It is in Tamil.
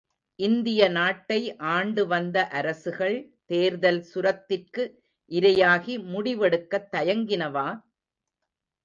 இந்திய நாட்டை ஆண்டு வந்த அரசுகள் தேர்தல் சுரத்திற்கு இரையாகி முடிவு எடுக்கத் தயங்கினவா?